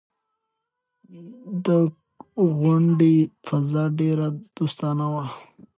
د غونډې فضا ډېره دوستانه وه.